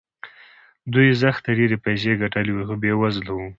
دوی زښته ډېرې پيسې ګټلې وې خو بې وزله وو.